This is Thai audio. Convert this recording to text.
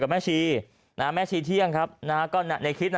ก็ไม่แน่ใจต้องถามอาจารย์ต้นคลิป